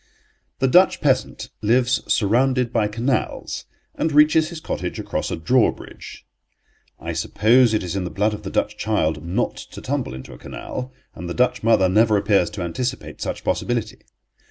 The Dutch peasant lives surrounded by canals, and reaches his cottage across a drawbridge. I suppose it is in the blood of the Dutch child not to tumble into a canal, and the Dutch mother never appears to anticipate such possibility.